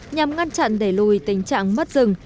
nhằm ngăn chặn để lùi tình trạng mất rừng